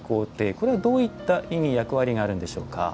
これはどういった意味役割があるんでしょうか。